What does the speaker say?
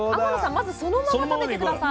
まずそのまま食べて下さい。